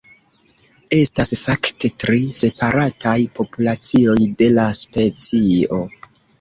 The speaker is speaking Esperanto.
Estas fakte tri separataj populacioj de la specio.